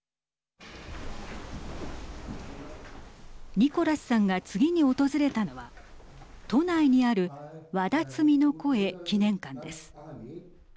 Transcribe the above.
ニコラスさんが次に訪れたのは都内にあるわだつみのこえ記念館です。